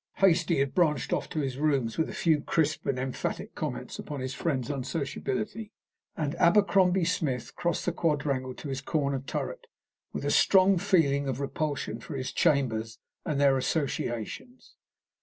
Hastie had branched off to his rooms with a few crisp and emphatic comments upon his friend's unsociability, and Abercrombie Smith crossed the quadrangle to his corner turret with a strong feeling of repulsion for his chambers and their associations.